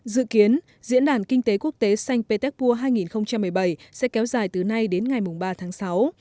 dự kiến diễn đàn kinh tế quốc tế xanh petersburg hai nghìn một mươi bảy sẽ kéo dài từ nay đến ngày ba tháng sáu